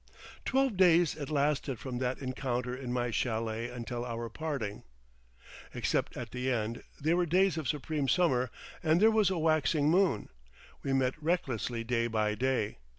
Twelve days it lasted from that encounter in my chalet until our parting. Except at the end, they were days of supreme summer, and there was a waxing moon. We met recklessly day by day.